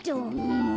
もう！